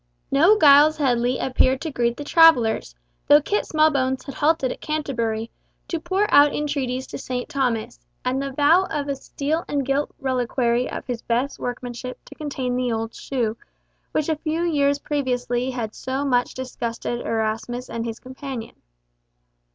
No Giles Headley appeared to greet the travellers, though Kit Smallbones had halted at Canterbury, to pour out entreaties to St. Thomas, and the vow of a steel and gilt reliquary of his best workmanship to contain the old shoe, which a few years previously had so much disgusted Erasmus and his companion.